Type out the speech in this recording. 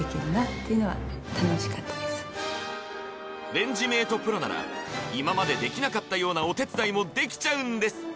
レンジメートプロなら今までできなかったようなお手伝いもできちゃうんです